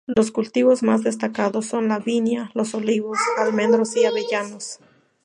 Los cultivos más destacados son la viña, los olivos, almendros y avellanos.